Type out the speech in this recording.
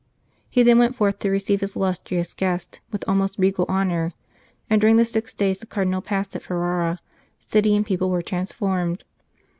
He then went forth to receive his illustrious guest with almost regal honour, and during the six days the Cardinal passed at Ferrara, city and people were transformed.